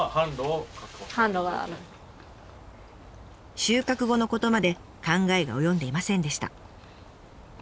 収穫後のことまで考えが及んでいませんでした。